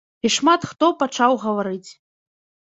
І шмат хто пачаў гаварыць.